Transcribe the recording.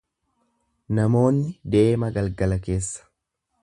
Namoonni deema galgala keessa.